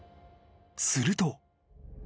［すると］